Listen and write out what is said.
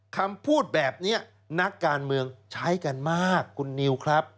คำพูดแบบนี้นักการเมืองใช้กันมากคุณนิวครับ